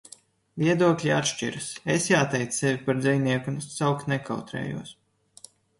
Viedokļi atšķiras. Es, jāteic, sevi par dzejnieku saukt nekautrējos.